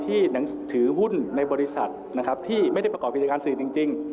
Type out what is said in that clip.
ที่ถือหุ้นในบริษัทที่ไม่ได้ประกอบบิจการสื่อที่จริง